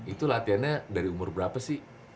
itu latihannya dari umur berapa sih